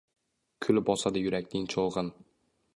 Kul bosadi yurakning choʼgʼin.